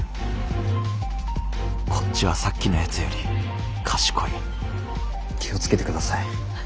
こっちはさっきのやつより賢い気を付けて下さい。